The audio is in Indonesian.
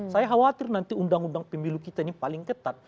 saya khawatir nanti undang undang pemilu kita ini paling ketat